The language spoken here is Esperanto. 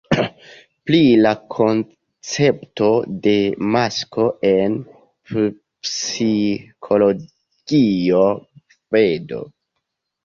Pri la koncepto de "masko" en psikologio vd.